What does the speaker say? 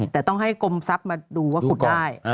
แต่ต้องให้กรมทรัพย์มาดูว่าขุดได้